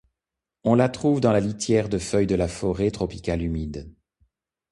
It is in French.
On la trouve dans la litière de feuille de la forêt tropicale humide.